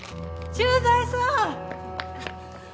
駐在さん！